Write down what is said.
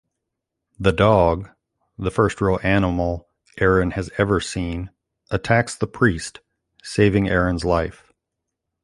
The dog-the first real animal Erin has ever seen-attacks the priest, saving Erin's life.